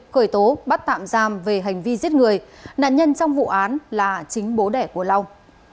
khởi tố bắt tạm giam về hành vi giết người nạn nhân trong vụ án là chính bố đẻ của long